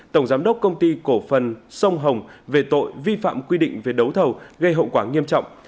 tổng giám đốc công ty cổ phần sông hồng về tội vi phạm quy định về đấu thầu gây hậu quả nghiêm trọng